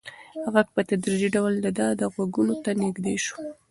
غږ په تدریجي ډول د ده غوږونو ته نږدې شو.